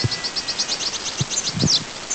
Walimtafuta wakampata siku ifuatayo